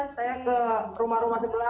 saya ke rumah rumah sebelah